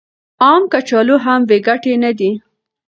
عام کچالو هم بې ګټې نه دي.